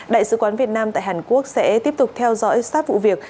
đại sứ quán việt nam tại hàn quốc sẽ tiếp tục theo dõi sát vụ việc